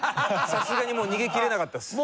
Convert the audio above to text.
さすがに逃げきれなかったです。